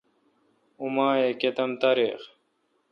اوں ماہ ئ کتم تاریخ؟